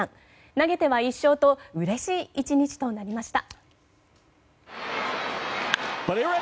投げては１勝とうれしい１日となりました。